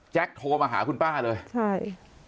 โทรมาหาคุณป้าเลยใช่